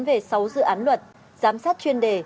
về sáu dự án luật giám sát chuyên đề